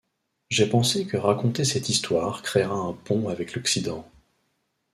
J'ai pensé que raconter cette histoire créera un pont avec l'Occident.